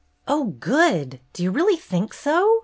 "Oh, good! Do you really think so?